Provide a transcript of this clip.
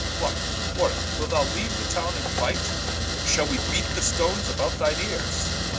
What Warwicke, Wilt thou leaue the Towne, and fight? Or shall we beat the Stones about thine Eares?